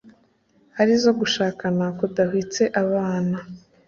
arizo gushakana kudahwitse abana